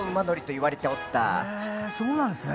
へそうなんですね。